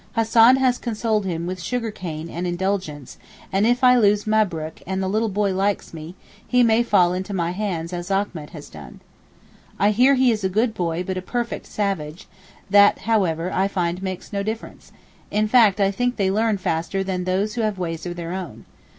Hassan has consoled him with sugar cane and indulgence, and if I lose Mabrook, and the little boy takes to me, he may fall into my hands as Achmet has done. I hear he is a good boy but a perfect savage; that however, I find makes no difference—in fact, I think they learn faster than those who have ways of their own.